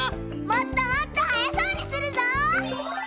もっともっとはやそうにするぞ！